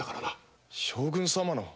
将軍様の！？